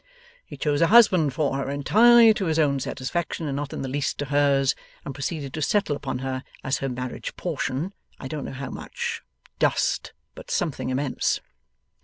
He chose a husband for her, entirely to his own satisfaction and not in the least to hers, and proceeded to settle upon her, as her marriage portion, I don't know how much Dust, but something immense.